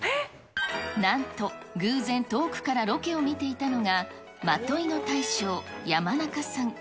なんと、偶然遠くからロケを見ていたのが、纏の大将、山中さん。